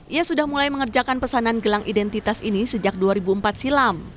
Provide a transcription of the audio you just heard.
ia sudah mulai mengerjakan pesanan gelang identitas ini sejak dua ribu empat silam